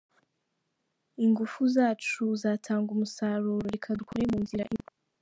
Ingufu zacu zatanga umusaruro, reka dukorere mu nzira imwe.